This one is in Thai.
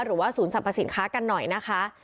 หรือว่าศูนย์สรรพสินค้ากันหน่อยนะคะ